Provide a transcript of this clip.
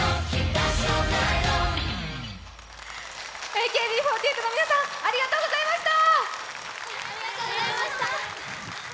ＡＫＢ４８の皆さんありがとうございました。